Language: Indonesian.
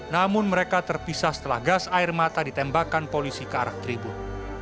namun mereka terpisah setelah gas air mata ditembakkan polisi ke arah tribun